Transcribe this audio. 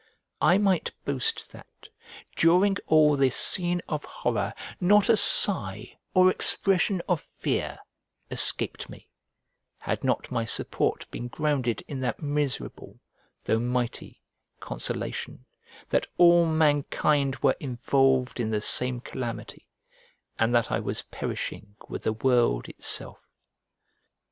I might boast that, during all this scene of horror, not a sigh, or expression of fear, escaped me, had not my support been grounded in that miserable, though mighty, consolation, that all mankind were involved in the same calamity, and that I was perishing with the world itself.